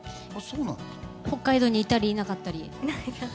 北海道にいたりいなかったり。